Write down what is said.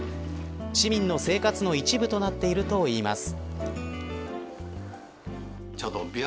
市民の生活の一部となっているといいます。